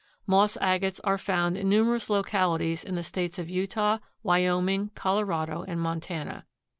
Moss agates are found in numerous localities in the States of Utah, Wyoming, Colorado and Montana.